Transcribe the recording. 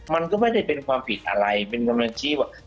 มันก็ไม่ได้เป็นความผิดอะไรเป็นกำลังชี้ว่า